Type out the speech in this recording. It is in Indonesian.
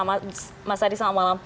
mas adi selamat malam